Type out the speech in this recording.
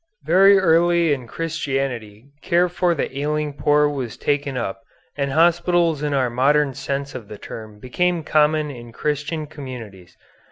Very early in Christianity care for the ailing poor was taken up, and hospitals in our modern sense of the term became common in Christian communities.